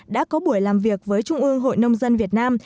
đã có buổi làm việc với trung ương hội nông dân việt nam